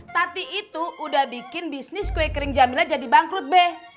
tati itu udah bikin bisnis kue kering jamilnya jadi bangkrut deh